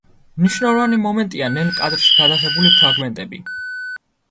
მნიშვნელოვანი მომენტია ნელ კადრში გადაღებული ფრაგმენტები.